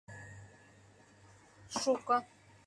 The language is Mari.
— Шуко...